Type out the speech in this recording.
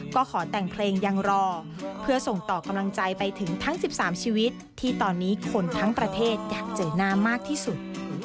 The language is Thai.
ก็ขอแต่งเพลงยังรอเพื่อส่งต่อกำลังใจไปถึงทั้ง๑๓ชีวิตที่ตอนนี้คนทั้งประเทศอยากเจอหน้ามากที่สุด